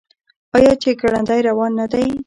آیا چې ګړندی روان نه دی؟